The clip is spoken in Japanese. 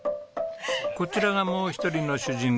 こちらがもう一人の主人公。